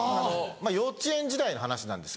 幼稚園時代の話なんですけど。